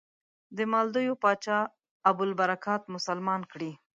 د مالدیو پاچا ابوالبرکات مسلمان کړی.